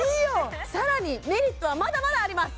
さらにメリットはまだまだあります